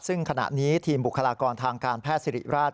ซึ่งขณะนี้ทีมบุคลากรทางการแพทย์สิริราช